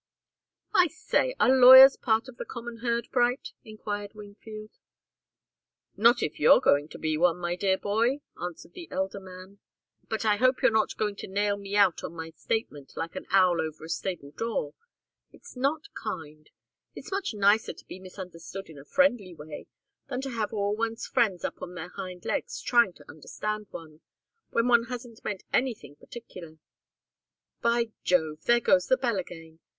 "I say are lawyers part of the common herd, Bright?" enquired Wingfield. "Not if you're going to be one, my dear boy," answered the elder man. "But I hope you're not going to nail me out on my statement like an owl over a stable door. It's not kind. It's much nicer to be misunderstood in a friendly way than to have all one's friends up on their hind legs trying to understand one, when one hasn't meant anything particular. By Jove! There goes the bell again!